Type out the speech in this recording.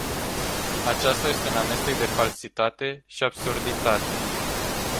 Aceasta este un amestec de falsitate și absurditate.